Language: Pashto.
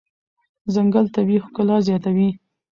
ځنګل طبیعي ښکلا زیاتوي.